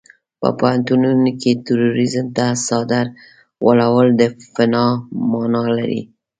په پوهنتونونو کې تروريزم ته څادر غوړول د فناه مانا لري.